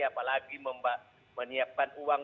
apalagi menyiapkan uang